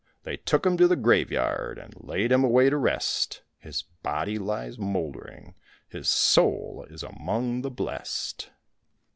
They took him to the graveyard and laid him away to rest, His body lies mouldering, his soul is among the blest.